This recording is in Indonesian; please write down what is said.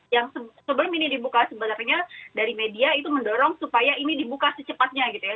yang sebelum ini dibuka sebenarnya dari media itu mendorong supaya ini dibuka secepatnya gitu ya